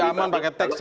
lebih aman pakai teks ya